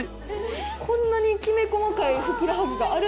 こんなにきめ細かいふくらはぎある？